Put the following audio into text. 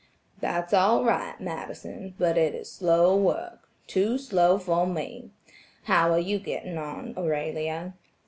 "That's all right, Madison, but it is slow work–too slow for me. How are you getting on, Aurelia?"